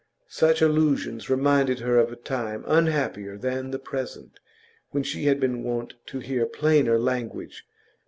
Such allusions reminded her of a time unhappier than the present, when she had been wont to hear plainer language.